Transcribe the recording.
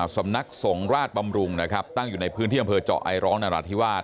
สำนักสงฆ์ราชบำรุงนะครับตั้งอยู่ในพื้นที่อำเภอเจาะไอร้องนราธิวาส